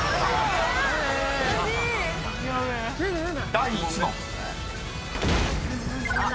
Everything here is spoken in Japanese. ［第１問］